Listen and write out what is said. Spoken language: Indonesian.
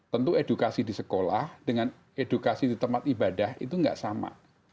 tentu edukasi di sekolah dengan edukasi di tempat ibadah itu nggak sama